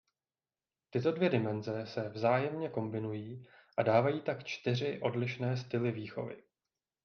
Tyto dvě dimenze se vzájemně kombinují a dávají tak čtyři odlišné styly výchovy.